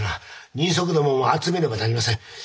人足どもも集めねばなりません。